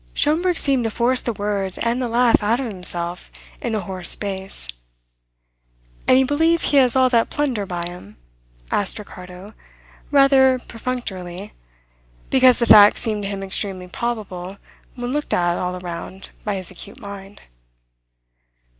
Schomberg seemed to force the words and the laugh out of himself in a hoarse bass. "And you believe he has all that plunder by him?" asked Ricardo, rather perfunctorily, because the fact seemed to him extremely probable when looked at all round by his acute mind.